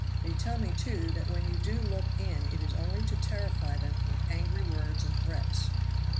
They tell me, too, that when you do look in it is only to terrify them with angry words and threats.